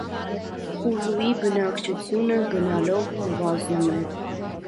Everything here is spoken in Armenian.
Խուլուի բնակչությունը գնալով նվազում է։